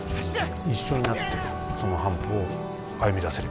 一緒になってその半歩を歩みだせればなと。